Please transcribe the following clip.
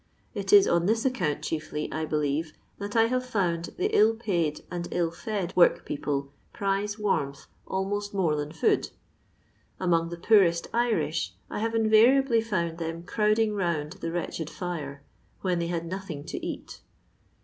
It if on this aoeonnt chiefly, I beliere, that I haTo found the ill paid and ill fed work people priie wannth ahnoet more than food. Among the poorest Irish, I hare inTaiiably found them crowding round the wretched fire when they had nothing to cat.